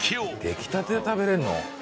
出来たてが食べれるの？